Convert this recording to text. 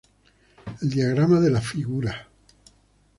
El diagrama de la Fig.